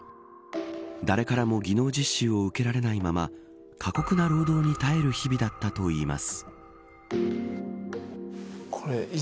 誰からも技能実習を受けられないまま過酷な労働に耐える日々だったといいます。